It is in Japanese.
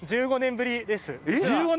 １５年ぶりです実は。